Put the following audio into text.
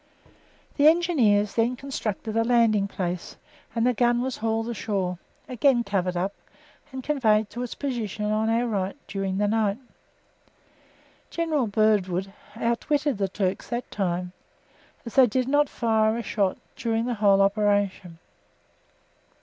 The Engineers then constructed a landing place, and the gun was hauled ashore, again covered up, and conveyed to its position on our right during the night. General Birdwood outwitted the Turks that time, as they did not fire a shot during the whole operation.